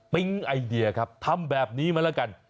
ไอเดียครับทำแบบนี้มาแล้วกัน